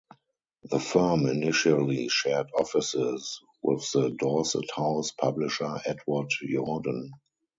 The firm initially shared offices with the Dorset House publisher Edward Yourdon.